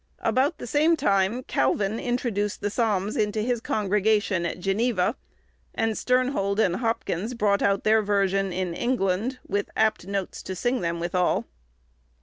About the same time, Calvin introduced the psalms into his congregation at Geneva, and Sternhold and Hopkins brought out their version in England, "with apt notes to sing them withall."